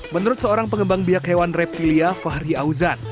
menurut seorang pengembang biak hewan reptilia fahri auzan